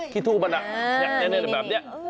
ที่ทูบมันแบบนี้